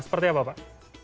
seperti apa pak